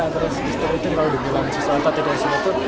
terus istri itu kalau dibelakang sesuatu tidak bisa nanggu